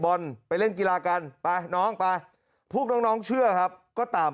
ไปเล่นกีฬากันไปน้องไปพวกน้องเชื่อครับก็ตาม